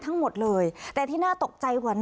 อันดับที่สุดท้าย